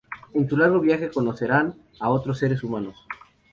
En su largo viaje conocerán a otros seres humanos.